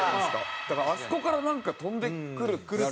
だからあそこからなんか飛んでくる。